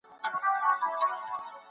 پوه سړي په خپل کتابتون کي مطالعه کوله.